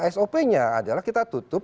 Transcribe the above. sop nya adalah kita tutup